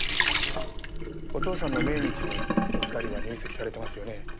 お父さんの命日にお二人は入籍されてますよね？